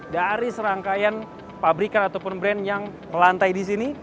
dari serangkaian pabrikan ataupun brand yang melantai di sini